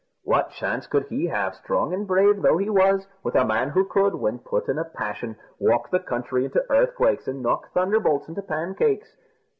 What chance could he have, strong and brave though he was, with a man who could, when put in a passion, walk the country into earthquakes and knock thunderbolts into pancakes?